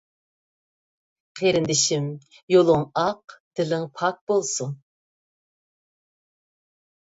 قېرىندىشىم، يولۇڭ ئاق، دىلىڭ پاك بولسۇن!